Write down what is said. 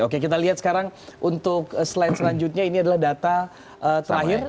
oke kita lihat sekarang untuk slide selanjutnya ini adalah data terakhir